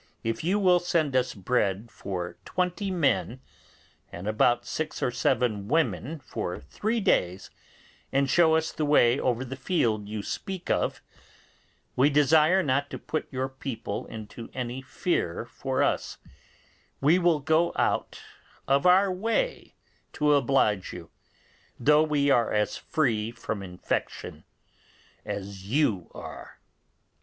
If you will send us bread for twenty men and about six or seven women for three days, and show us the way over the field you speak of, we desire not to put your people into any fear for us; we will go out of our way to oblige you, though we are as free from infection as you are.